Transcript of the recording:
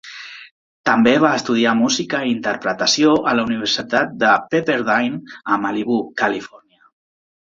També va estudiar música i interpretació a la universitat de Pepperdine a Malibú, Califòrnia.